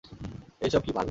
এইসব কি বাল!